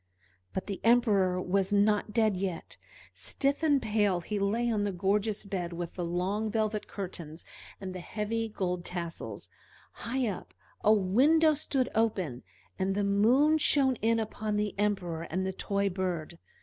But the Emperor was not dead yet: stiff and pale he lay on the gorgeous bed with the long velvet curtains and the heavy gold tassels; high up, a window stood open, and the moon shone in upon the Emperor and the toy bird.